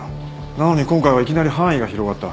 なのに今回はいきなり範囲が広がった。